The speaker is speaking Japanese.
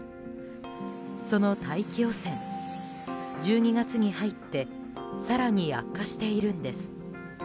その大気汚染、１２月に入って更に悪化しているんです。